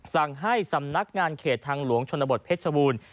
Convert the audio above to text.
สั่งให้สำนักงานเขตทางหลวงชนบทเพชรชบูรณ์